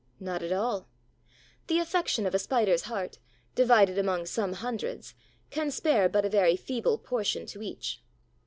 Not at all. The affection of a Spider's heart, divided among some hundreds, can spare but a very feeble portion to each.